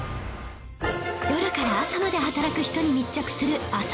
夜から朝まで働く人に密着する『朝メシまで。』